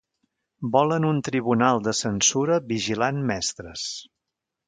Volen un tribunal de censura vigilant mestres.